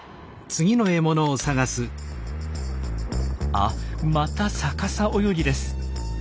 あっまた逆さ泳ぎです。